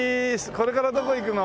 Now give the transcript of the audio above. これからどこ行くの？